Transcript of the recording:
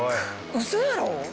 ウソやろ？